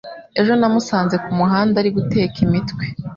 Ejo namusanze kumuhanda ari guteka imitwe.